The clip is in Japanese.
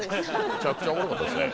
むちゃくちゃおもろかったですね。